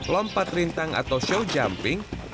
lompat rintang atau show jumping